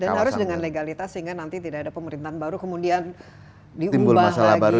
dan harus dengan legalitas sehingga nanti tidak ada pemerintahan baru kemudian diubah lagi